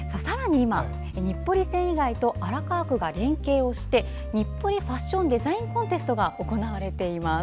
今日暮里繊維街と荒川区が連携して日暮里ファッションデザインコンテストが行われています。